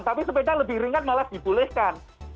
tapi sepeda lebih ringan malah dibolehkan